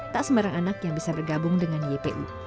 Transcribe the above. tak sembarang anak yang bisa bergabung dengan ypu